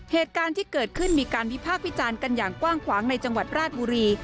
เหตุการณ์ที่เกิดขึ้นมีการวิพากษ์วิจารณ์กันอย่างกว้างขวางในจังหวัดราชบุรี